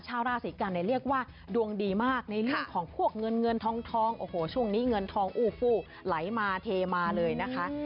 ชาวราศีกันเนี่ยเรียกว่าดวงดีมากในเรื่องของพวกเงินเงินทองโอ้โหช่วงนี้เงินทองอู้ฟู้ไหลมาเทมาเลยนะคะ